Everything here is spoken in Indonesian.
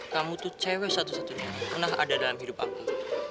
kamu tuh cewek satu satunya yang pernah ada dalam hidup aku